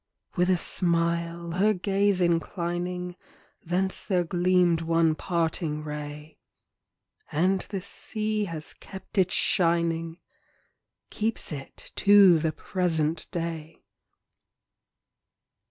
With a smile her gaze inclining, Thence there gleamed one parting ray. And the sea has kept its shining â Keeps it to the present day.